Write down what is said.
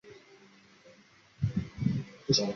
设定一坐标系。